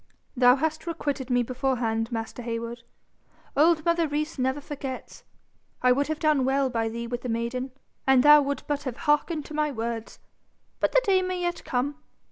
'Thou hast requited me beforehand, master Heywood. Old mother Rees never forgets. I would have done well by thee with the maiden, an' thou would but have hearkened to my words. But the day may yet come.